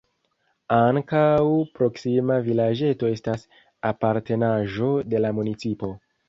Ankaŭ proksima vilaĝeto estas apartenaĵo de la municipo.